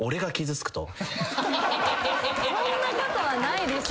そんなことはないでしょ。